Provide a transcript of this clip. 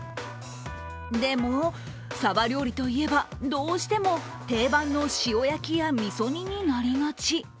でも、サバ料理といえば、どうしても定番の塩焼きやみそ煮になりがち。